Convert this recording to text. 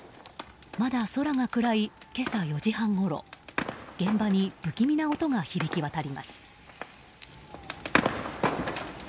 まだ空が暗い今朝４時半ごろ現場に不気味な音が響き渡ります。